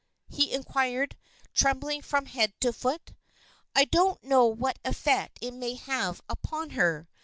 he inquired, trembling from head to foot. "I don't know what effect it may have upon her.